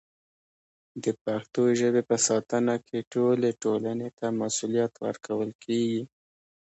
د پښتو ژبې په ساتنه کې ټولې ټولنې ته مسوولیت ورکول کېږي.